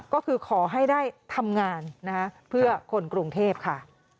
ก็คือขอให้ได้ทำงานนะคะเพื่อคนกรุงเทพค่ะ